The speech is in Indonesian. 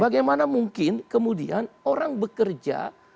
bagaimana mungkin kemudian orang bekerja